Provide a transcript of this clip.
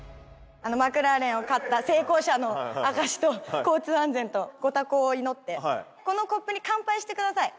マクラーレンを買った成功者の証しと交通安全とご多幸を祈ってこのコップに乾杯してください。